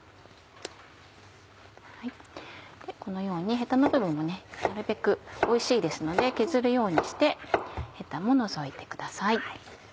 このようにヘタの部分もなるべくおいしいですので削るようにしてヘタも除いてください。